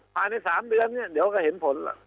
ภายใน๓เดือนเนี่ยเดี๋ยวก็เห็นผล